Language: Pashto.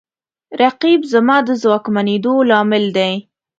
رقیب زما د ځواکمنېدو لامل دی